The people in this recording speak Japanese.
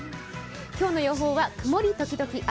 今日の予報は曇り時々雨。